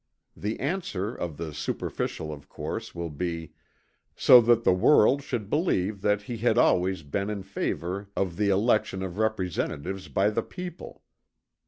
The answer of the superficial of course will be, "So that the world should believe that he had always been in favor of the election of representatives by the people."